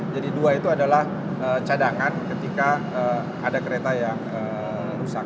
jadi dua itu adalah cadangan ketika ada kereta yang rusak